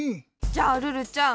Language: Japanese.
じゃあルルちゃん。